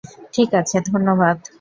ঠিক আছে, ধন্যবাদ।